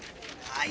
はい。